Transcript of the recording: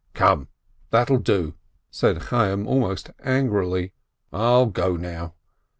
"Come, that'll do!" said Chayyim, almost angrily. "I'll go now."